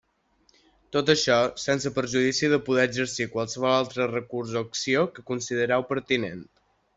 Tot això sense perjudici de poder exercir qualsevol altre recurs o acció que considereu pertinent.